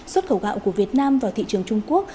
xuất khẩu gạo của việt nam vào thị trường trung quốc